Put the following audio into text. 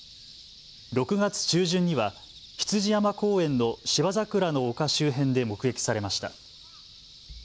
６月中旬には羊山公園の芝桜の丘周辺で目撃されました。